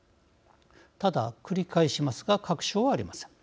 ただ、繰り返しますが確証はありません。